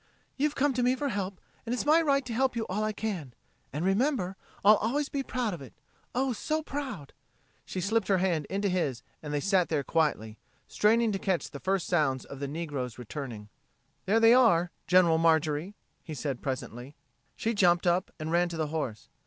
"You've come to me for help, and it's my right to help you all I can. And remember, I'll always be proud of it. Oh, so proud!" She slipped her hand into his and they sat there quietly, straining to catch the first sounds of the negroes returning. "There they are General Marjorie," he said presently. She jumped up and ran to the horse.